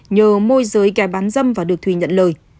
nhờ môi giới kẻ bán dâm và được thùy nhận lời